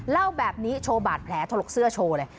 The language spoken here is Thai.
เล่าแบบนี้โชว์บาดแผลถลกเสื้อโชว์เลย